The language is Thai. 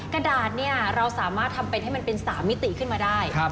กระดาษเนี่ยเราสามารถทำเป็นให้มันเป็น๓มิติขึ้นมาได้